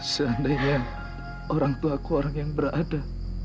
seandainya orangtuaku orang yang berada